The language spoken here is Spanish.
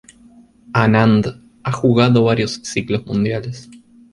Anand ha jugado varios ciclos mundiales.